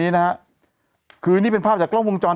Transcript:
สวัสดีครับคุณผู้ชม